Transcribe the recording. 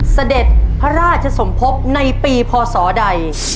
เสด็จพระราชสมภพในปีพศใด